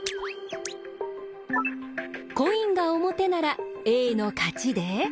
コインが表ならＡの勝ちで。